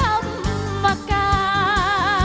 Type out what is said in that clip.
ก็จะมีความสุขมากกว่าทุกคนค่ะ